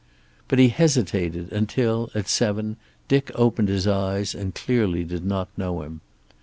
But he hesitated until, at seven, Dick opened his eyes and clearly did not know him.